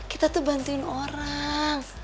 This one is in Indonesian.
kita tuh bantuin orang